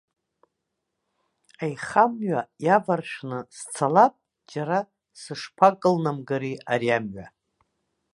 Аихамҩа иаваршәны сцалап, џьара сышԥакылнамгари ари амҩа.